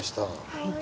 はい。